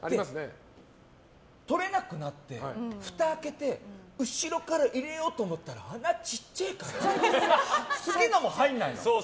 とれなくなって、ふたを開けて後ろから入れようと思ったら穴ちっちぇえから次のも入らないの。